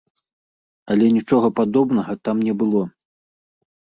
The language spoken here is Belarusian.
Але нічога падобнага там не было.